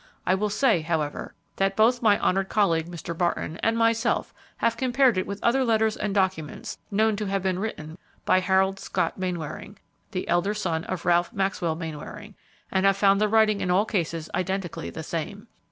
I will say, however, that both my honored colleague, Mr. Barton, and myself have compared it with other letters and documents known to have been written by Harold Scott Mainwaring, the elder son of Ralph Maxwell Mainwaring, and have found the writing in all cases identically the same.